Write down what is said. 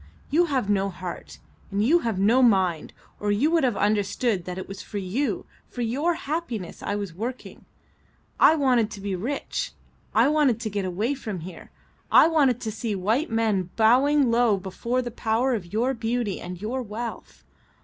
You have no heart, and you have no mind, or you would have understood that it was for you, for your happiness I was working. I wanted to be rich; I wanted to get away from here. I wanted to see white men bowing low before the power of your beauty and your wealth.